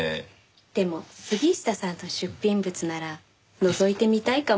でも杉下さんの出品物ならのぞいてみたいかも。